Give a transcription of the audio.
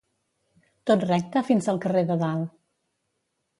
Tot recte fins al carrer de dalt.